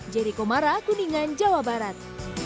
jadi komara kuningan jawa barat